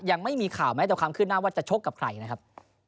ยังไม่มีข่าวแม้แต่ความขึ้นหน้าว่าจะชกกับใครนะครับ